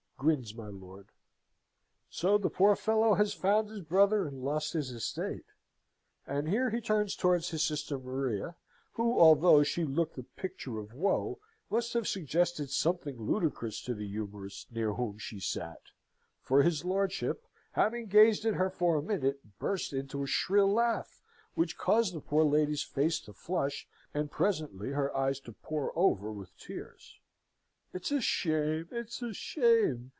grins my lord. "So the poor fellow has found his brother, and lost his estate!" And here he turned towards his sister Maria, who, although she looked the picture of woe, must have suggested something ludicrous to the humourist near whom she sate; for his lordship, having gazed at her for a minute, burst into a shrill laugh, which caused the poor lady's face to flush, and presently her eyes to pour over with tears. "It's a shame! it's a shame!"